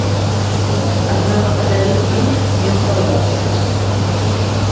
Аднак падавіць бунт не ўдалося.